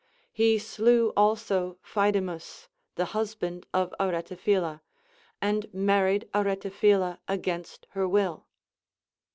He slew also Phaedimus, the husband of Aretaphila, and married Aretaphila against her will.